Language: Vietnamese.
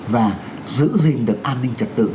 và giữ gìn được an ninh trật tự